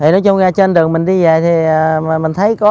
nói chung trên đường mình đi về thì mình thấy có